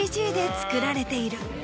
作られている。